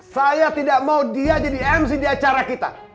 saya tidak mau dia jadi mc di acara kita